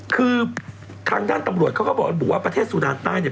คือทางด้านตำรวจเขาก็บอกระบุว่าประเทศสุดานใต้เนี่ย